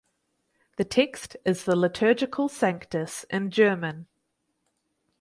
The text is the liturgical Sanctus in German.